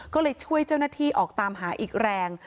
ก็เลยช่วยเจ้าหน้าที่ออกตามหาอีกแรง